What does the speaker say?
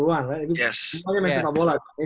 dan itu adalah sepak bola nomor satu kan